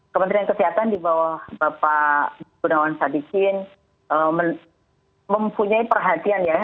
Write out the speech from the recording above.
kementerian kesehatan di bawah bapak gunawan sadikin mempunyai perhatian ya